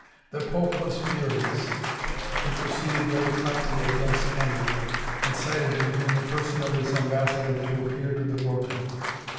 The pope was furious; he proceeded very promptly against Henry and cited him, in the person of his am bassador, to appear to the Rota.